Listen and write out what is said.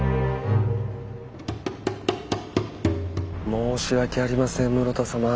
申し訳ありません室田様。